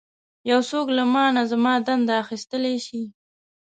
یو څوک له مانه زما دنده اخیستلی شي.